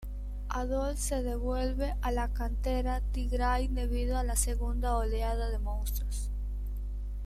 Adol se devuelve a la cantera Tigray debido a la segunda oleada de monstruos.